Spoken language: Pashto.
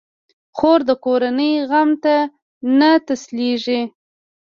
خور د کورنۍ غم ته نه تسلېږي.